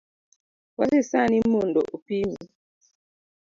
Wadhi sani mondo opimi